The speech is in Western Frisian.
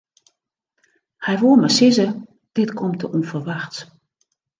Hy woe mar sizze: dit komt te ûnferwachts.